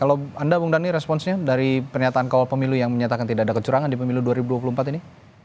kalau anda bung dhani responsnya dari pernyataan kawal pemilu yang menyatakan tidak ada kecurangan di pemilu dua ribu dua puluh empat ini